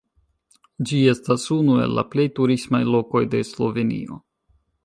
Ĝi estas unu el la plej turismaj lokoj de Slovenio.